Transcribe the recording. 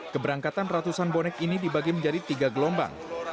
keberangkatan ratusan bonek ini dibagi menjadi tiga gelombang